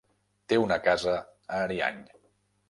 Té una casa a Ariany.